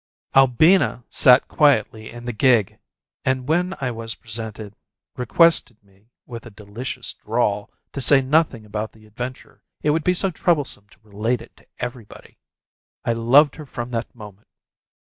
Albina sat quietly in the gig, and when I was presented, requested me, with a delicious drawl, to say nothing about the adventure it would be so troublesome to relate it to everybody! I loved her from that moment.